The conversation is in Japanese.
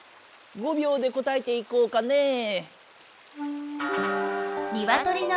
５びょうで答えていこうかねぇ。